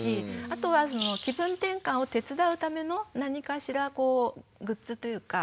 あとは気分転換を手伝うための何かしらグッズというか。